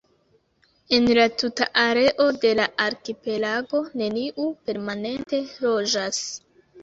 En la tuta areo de la arkipelago neniu permanente loĝas.